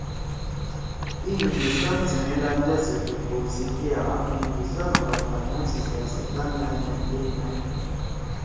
تی ہندوستان سی مے لانجا سی ٹیِک کؤ سی کیا ہندوستان او برطانیہ سی سیاستدان لندن گے نیِمأد